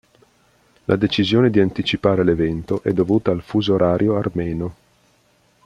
La decisione di anticipare l'evento è dovuta al fuso orario armeno.